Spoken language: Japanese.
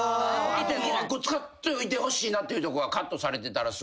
ここ使っておいてほしいなっていうとこがカットされてたらすごく嫌だし。